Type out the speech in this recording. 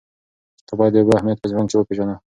ته باید د اوبو اهمیت په ژوند کې پېژنه.